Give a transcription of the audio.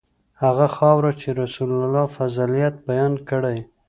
هغه خاوره چې رسول الله فضیلت بیان کړی.